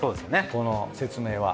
この説明は。